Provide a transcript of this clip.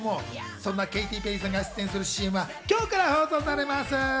そんなケイティ・ペリーさんが出演するＣＭは、今日から放送されます。